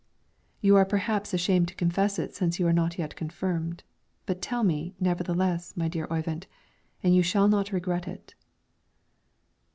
"You are perhaps ashamed to confess it since you are not yet confirmed; but tell me, nevertheless, my dear Oyvind, and you shall not regret it."